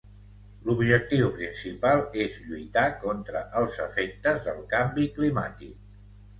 L'objectiu principal és lluitar contra els efectes del canvi climàtic.